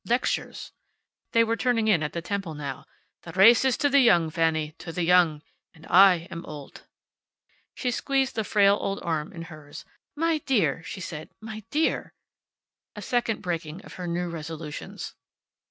Lectures." They were turning in at the temple now. "The race is to the young, Fanny. To the young. And I am old." She squeezed the frail old arm in hers. "My dear!" she said. "My dear!" A second breaking of her new resolutions.